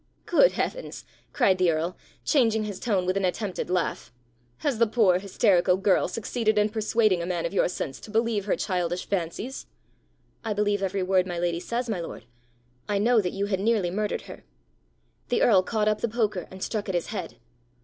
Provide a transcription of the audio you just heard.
"Good heavens!" cried the earl, changing his tone with an attempted laugh, "has the poor, hysterical girl succeeded in persuading a man of your sense to believe her childish fancies?" "I believe every word my lady says, my lord. I know that you had nearly murdered her." The earl caught up the poker and struck at his head.